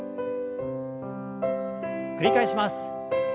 繰り返します。